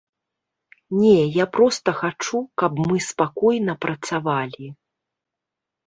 Не, я проста хачу, каб мы спакойна працавалі.